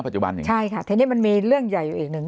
อย่างนี้ใช่ค่ะทีนี้มันมีเรื่องใหญ่อยู่อีกหนึ่ง